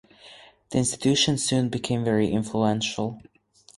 The institution soon became very influential.